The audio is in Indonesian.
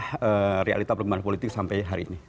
bagaimana realita perkembangan politik sampai hari ini